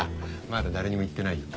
まだ誰にも言ってないよ。